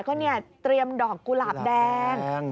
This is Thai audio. ใช่ค่ะก็เตรียมดอกกุหลาบแดง